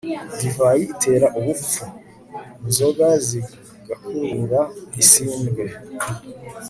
divayi itera ubupfu, inzoga zigakurura isindwe